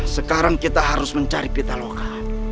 sekarang kita harus mencari pitaloka